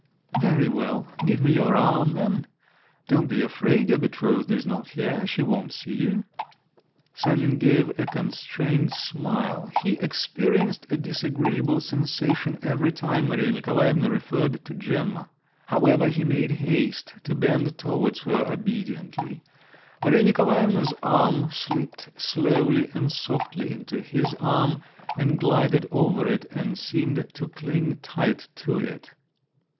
"Very well, give me your arm then; don't be afraid: your betrothed is not here—she won't see you." Sanin gave a constrained smile. He experienced a disagreeable sensation every time Maria Nikolaevna referred to Gemma. However, he made haste to bend towards her obediently…. Maria Nikolaevna's arm slipped slowly and softly into his arm, and glided over it, and seemed to cling tight to it.